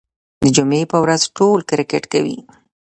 د جمعې په ورځ ټول کرکټ کوي.